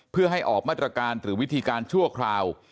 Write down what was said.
เพื่อให้ออกมาตรการหรือวิธีการชั่วคราว